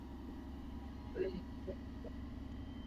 hali ya wasiwasi imeendelea kufukuta nchini haiti wakati ambapo